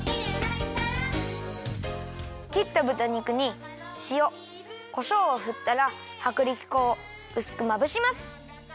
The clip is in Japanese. きったぶた肉にしおこしょうをふったらはくりき粉をうすくまぶします。